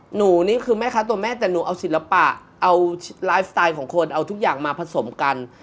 หนูนี่คือแม่ค้าตัวแม่แต่หนูเอาศิลปะเอาไลฟ์สไตล์ของคนเอาทุกอย่างมาผสมกัน